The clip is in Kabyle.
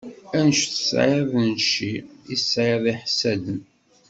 Anect tesɛiḍ n cci, i tesɛiḍ iḥessaden.